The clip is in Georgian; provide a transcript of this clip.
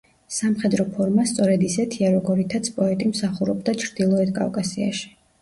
სამხედრო ფორმა სწორედ ისეთია, როგორითაც პოეტი მსახურობდა ჩრდილოეთ კავკასიაში.